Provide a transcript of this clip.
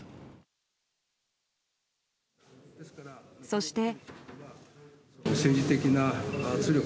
そして。